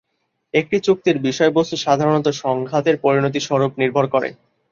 একটি চুক্তির বিষয়বস্তু সাধারণত সংঘাতের পরিণতি স্বরূপ নির্ভর করে।